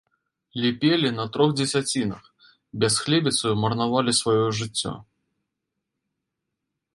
Ліпелі на трох дзесяцінах, бясхлебіцаю марнавалі сваё жыццё.